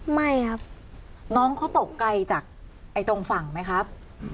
ไม่ครับน้องเขาตกไกลจากตรงฝั่งไหมครับ